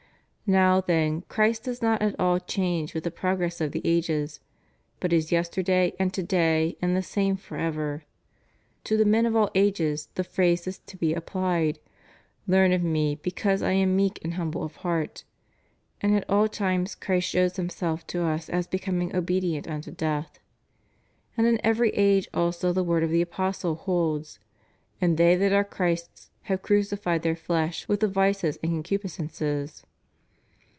Now, then, Christ does not at all change with the progress of the ages, but is yesterday and to day, and the same forever.^ To the men of all ages, the phrase is to be applied : Learn of Me because I am meek, and humble of heart,* and at all times Christ shows Himself to us as becoming obedient unto death^ and in every age also the word of the Apostle holds: And they that are Christ's have cruxyijied their flesh with the vices and concupis cences.